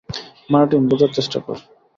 Martin, বোঝার চেষ্টা কর।